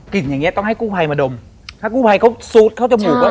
อย่างเงี้ต้องให้กู้ภัยมาดมถ้ากู้ภัยเขาซูดเข้าจมูกว่า